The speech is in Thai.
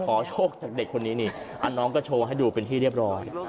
โชคจากเด็กคนนี้นี่น้องก็โชว์ให้ดูเป็นที่เรียบร้อย